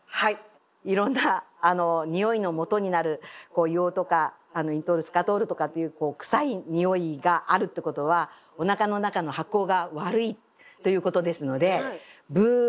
いろんなにおいのもとになる硫黄とかインドールスカトールとかっていう臭いにおいがあるってことはおなかの中の発酵が悪いということですのでブーなんです。